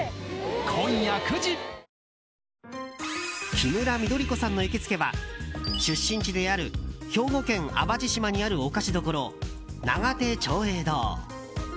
キムラ緑子さんの行きつけは出身地である兵庫県淡路島にある御菓子処長手長栄堂。